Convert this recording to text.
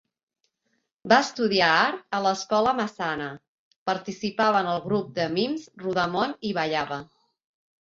Va estudiar art a l’Escola Massana, participava en el grup de mims Rodamón i ballava.